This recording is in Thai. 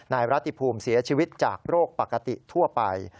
นายรัติภูมิเสียชีวิตจากโรคปกติทั่วไป